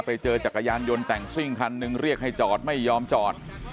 จักรยานยนต์แต่งซิ่งคันหนึ่งเรียกให้จอดไม่ยอมจอด